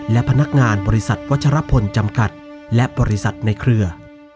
และพนักงานบริษัทวัชรพลจำกัดและบริษัทในเครือ